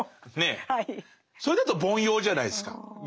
それだと凡庸じゃないですか。